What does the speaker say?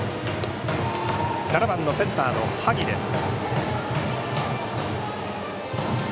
７番のセンターの萩です。